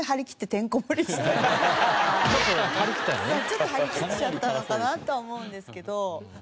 ちょっと張り切っちゃったのかなと思うんですけど。